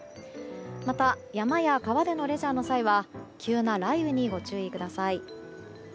また山や川でのレジャーの際は急な雷雨にご注意ください。